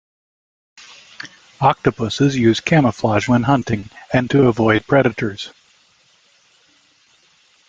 Octopuses use camouflage when hunting, and to avoid predators.